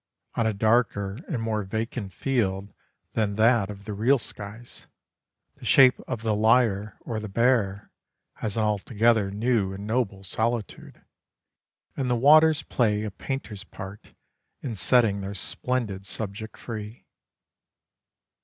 On a darker and more vacant field than that of the real skies, the shape of the Lyre or the Bear has an altogether new and noble solitude; and the waters play a painter's part in setting their splendid subject free.